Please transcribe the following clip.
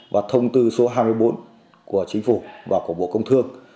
và thông tư số hai mươi bốn của chính phủ và của bộ công thương